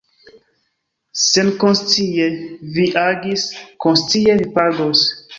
Senkonscie vi agis, konscie vi pagos.